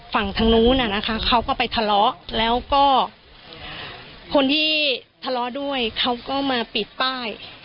ฝั่งทางนู้นน่ะนะคะเขาก็ไปทะเลาะแล้วก็คนที่ทะเลาะด้วยเขาก็มาปิดป้าย